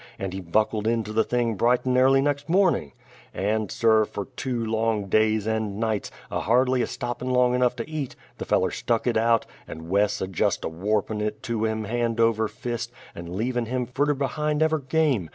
And he buckled into the thing bright and airly next morning! And sir, fer two long days and nights, a hardly a stoppin' long enough to eat, the feller stuck it out, and Wes a jest a warpin' it to him hand over fist, and leavin' him furder behind, ever' game!